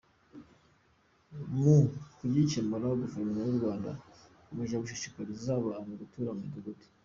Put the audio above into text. Mu kugikemura Guverinoma y’u Rwanda ikomeje gushishikariza abantu gutura mu midugudu.